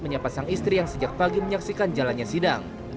setia novanto adalah istri yang sejak pagi menyaksikan jalannya sidang